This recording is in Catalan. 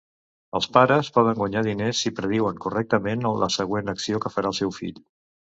Els pares poden guanyar diners si prediuen correctament la següent acció que farà el seu fill.